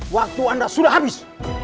waktu anda sudah habis